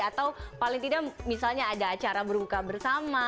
atau paling tidak misalnya ada acara berbuka bersama